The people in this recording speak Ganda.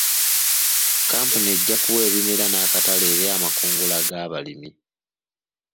kkampuni ejja kuwa ebimera n'akatale eri amakungula g'abalimi.